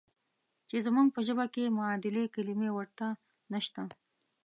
چې زموږ په ژبه کې معادلې کلمې ورته نشته.